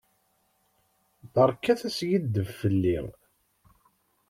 Beṛkat askiddeb fell-i.